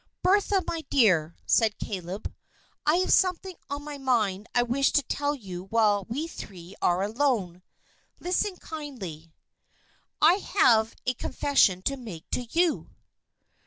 "Bertha, my dear," said Caleb, "I have something on my mind I want to tell you while we three are alone. Listen kindly! I have a confession to make to you."